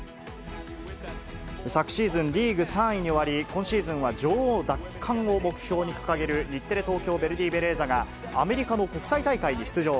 昨シーズン、リーグ３位に終わり、今シーズンは女王奪還を目標に掲げる日テレ・東京ヴェルディベレーザがアメリカの国際大会に出場。